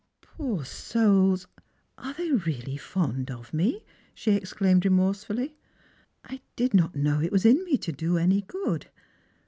" Poor souls, are they really fond of me ?" she exclaimed remorsefully. " I did not know it was in me to do any good."